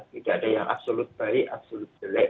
tidak ada yang absolut baik absolut jelek